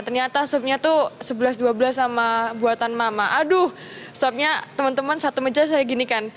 ternyata supnya tuh sebelas dua belas sama buatan mama aduh sopnya teman teman satu meja saya ginikan